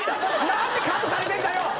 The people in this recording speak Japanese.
何でカットされてんだよ！